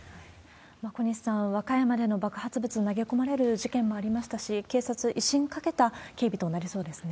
小西さん、和歌山での爆発物投げ込まれる事件もありましたし、警察、威信をかけた警備となりそうですね。